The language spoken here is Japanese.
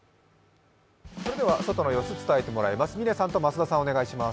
外の様子伝えてもらいます。